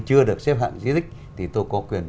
chưa được xếp hạng di tích thì tôi có quyền